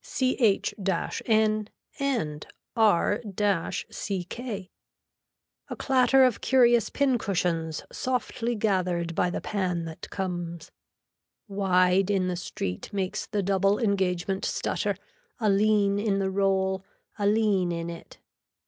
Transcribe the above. CH N AND R CK. A clatter of curious pin cushions softly gathered by the pan that comes. Wide in the street makes the double engagement stutter, a lean in the roll, a lean in it.